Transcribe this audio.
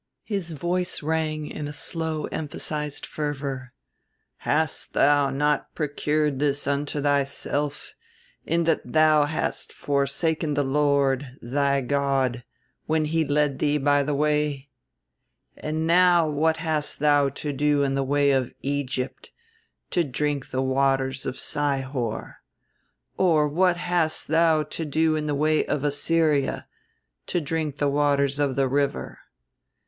His voice rang in a slow emphasized fervor: "'Hast thou not procured this unto thyself, in that thou hast forsaken the Lord, thy God, when he led thee by the way? "'And now what hast thou to do in the way of Egypt, to drink the waters of Sihor? or what hast thou to do in the way of Assyria, to drink the waters of the river?